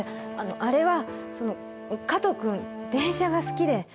あれはその加藤君電車が好きで。